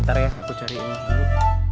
ntar ya aku cari ibu dulu